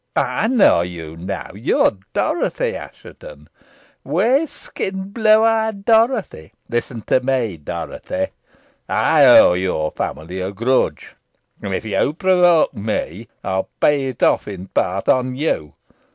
I know you now. You are Dorothy Assheton whey skinned, blue eyed Dorothy. Listen to me, Dorothy. I owe your family a grudge, and, if you provoke me, I will pay it off in part on you.